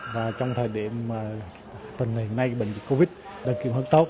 và trong thời điểm tầng ngày nay bệnh dịch covid là kiểm soát tốt